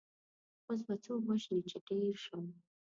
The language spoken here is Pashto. اوس به څو وژنې چې ډېر شول.